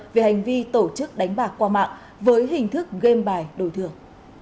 về hành vi tổ chức đánh bạc qua mạng với hình thức game bài đổi thưởng